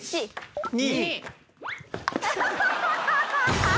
２。